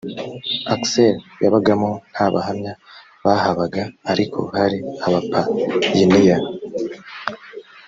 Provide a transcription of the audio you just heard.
aksel yabagamo nta bahamya bahabaga ariko hari abapayiniya